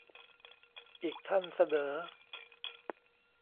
อีกท่านเสนอ